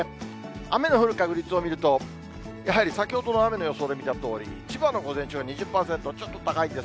雨の降る確率を見ると、やはり先ほどの雨の予想で見たとおり、千葉の午前中は２０％、ちょっと高いです。